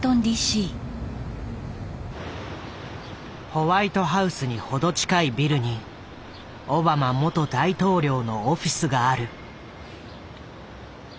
ホワイトハウスに程近いビルにオバマ元大統領のオフィスがある。